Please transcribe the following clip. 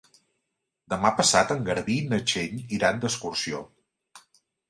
Demà passat en Garbí i na Txell iran d'excursió.